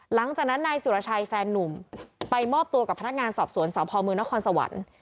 หลังจากนั้นนายสุรชัยแฟนนุ่มไปมอบตัวกับพนักงานสอบสวนสพมนครสวรรค์